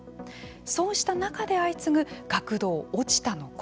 そうした中で相次ぐ学童落ちたの声。